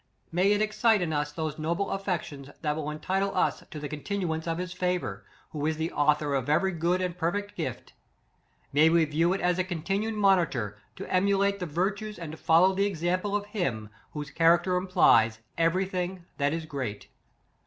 May it excite in us those no ble affections, that will entitle us to the continuance of his favor, who is the au thor of every good and perfect gift; may we view it as a continued monitor, to em ulate the virtues and to follow the ex ample of him, whose character implies every thing that is great.